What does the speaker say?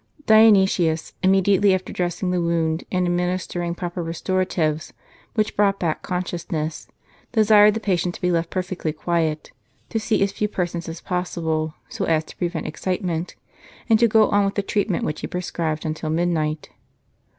Dionysius, immediately after dressing the wound, and administering proper restoratives, which brought back con sciousness, desired the patient to be left perfectly quiet, to see as few persons as possible, so as to prevent excitement, and to go on with the treatment which he prescribed until midnight.